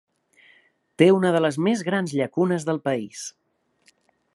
Té una de les més grans llacunes del país.